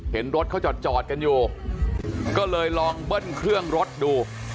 เห็นรถเขาจอดกันอยู่ก็เลยลองเบิ้ลเครื่องรถดู